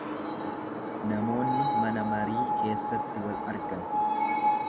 Namoonni mana marii keessatti wal argan.